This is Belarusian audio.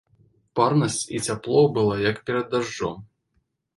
Парнасць і цяпло было, як перад дажджом.